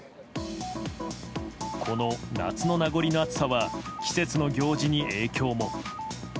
この夏の名残の暑さは季節の行事に影響も。